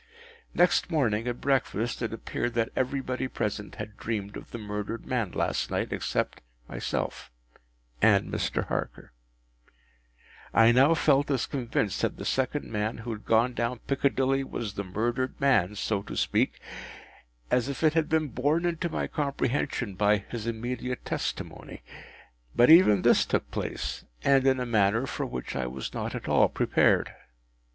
Next morning at breakfast, it appeared that everybody present had dreamed of the murdered man last night, except myself and Mr. Harker. I now felt as convinced that the second man who had gone down Piccadilly was the murdered man (so to speak), as if it had been borne into my comprehension by his immediate testimony. But even this took place, and in a manner for which I was not at all prepared.